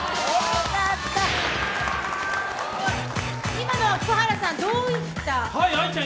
今のは福原さん、どういった？